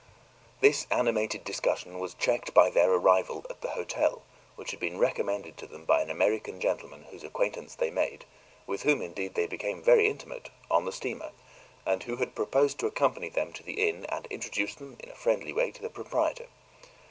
This animated discussion was checked by their arrival at the hotel, which had been recommended to them by an American gentleman whose acquaintance they made with whom, indeed, they became very intimate on the steamer, and who had proposed to accompany them to the inn and introduce them, in a friendly way, to the proprietor.